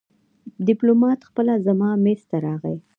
ډيپلومات خپله زما مېز ته راغی.